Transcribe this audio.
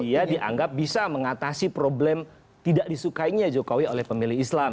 dia dianggap bisa mengatasi problem tidak disukainya jokowi oleh pemilih islam